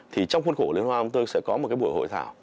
thì trong khuôn khổ liên hoa chúng tôi sẽ có một buổi hội thảo